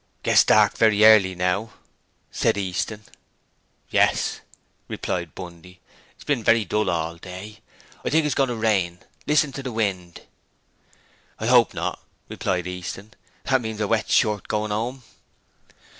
'It gets dark very early now,' said Easton. 'Yes,' replied Bundy. 'It's been very dull all day. I think it's goin' to rain. Listen to the wind.' 'I 'ope not,' replied Easton. 'That means a wet shirt goin' 'ome.'